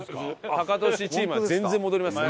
タカトシチームは全然戻りますよ